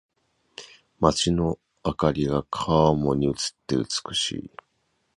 街の灯りが川面に映って美しい。